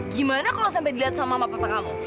gimana kalau sampai dilihat sama mama papa kamu